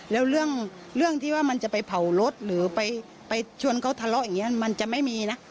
แล้วเรื่องที่ว่ามันจะไปเผารถหรือไปชวนเขาทะเลาะอย่างนี้มันจะไม่มีนะ